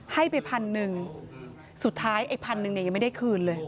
ให้ไปพันหนึ่งสุดท้ายไอ้พันหนึ่งเนี่ยยังไม่ได้คืนเลย